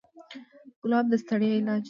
ګلاب د ستړیا علاج دی.